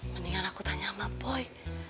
mendingan aku tanya sama poi